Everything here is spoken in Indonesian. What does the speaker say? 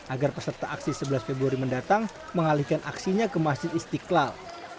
agar peserta aksi sebelas februari mendatang mengalihkan aksinya ke masjid istiqlal